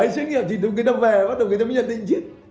xét nghiệm trình thống người ta về bắt đầu người ta mới nhận định chết